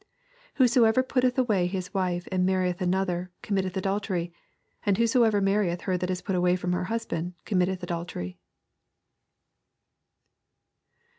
18 Whosoever putteth away his wife, and marrieth another, commit teth adultery: andwhosoever marrieth her that is put away from her husband oommittetn adultery.